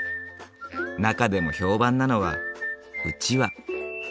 中でも評判なのはうちわ。